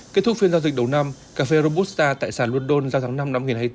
kết thúc phiên giao dịch đầu năm cà phê robusta tại sàn london giao tháng năm năm hai nghìn hai mươi bốn